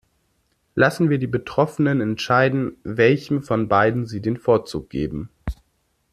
Lassen wir die Betroffenen entscheiden, welchem von beiden sie den Vorzug geben.